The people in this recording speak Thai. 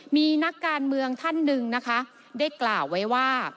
มีนักการเมืองท่านหนึ่งนะคะได้กล่าวไว้ว่า